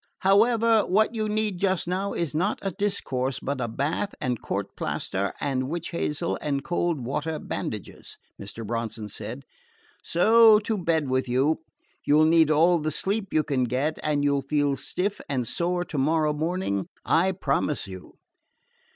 "However, what you need just now is not a discourse, but a bath and court plaster and witch hazel and cold water bandages," Mr. Bronson said; "so to bed with you. You 'll need all the sleep you can get, and you 'll feel stiff and sore to morrow morning, I promise you."